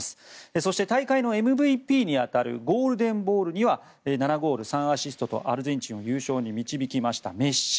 そして、大会のＭＶＰに当たるゴールデンボールには７ゴール３アシストとアルゼンチンを優勝に導きましたメッシ。